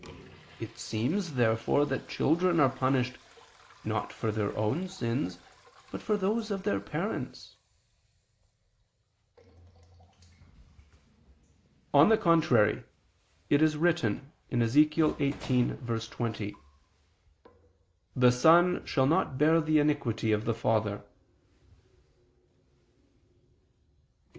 It seems, therefore, that children are punished, not for their own sins, but for those of their parents. On the contrary, It is written (Ezech. 18:20): "The son shall not bear the iniquity of the father."